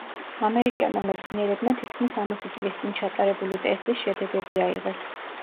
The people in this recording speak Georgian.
ამერიკელმა მეცნიერებმა თითქმის სამოცი წლის წინ ჩატარებული ტესტის შედეგები აიღეს.